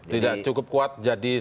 tidak cukup kuat jadi